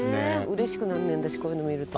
うれしくなんねん私こういうの見ると。